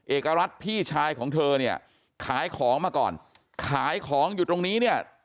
เอกรัฐพี่ชายของเธอเนี่ยขายของมาก่อนขายของอยู่ตรงนี้เนี่ย